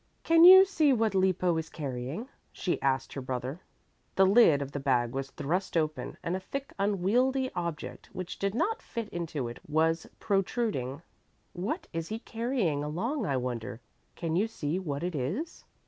"Can you see what Lippo is carrying?" she asked her brother. The lid of the bag was thrust open and a thick unwieldy object which did not fit into it was protruding. "What is he carrying along, I wonder? Can you see what it is?"